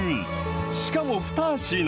しかも２品。